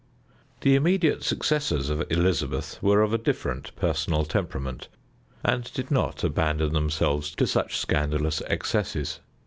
The immediate successors of Elizabeth were of a different personal temperament, and did not abandon themselves to such scandalous excesses.